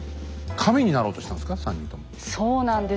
神になろうとしたんですか？